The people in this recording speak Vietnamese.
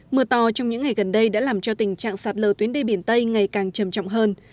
mưa to trong những ngày gần đây đã làm cho tình trạng sạt lờ tuyến đê biển tây ngày càng trầm trọng hơn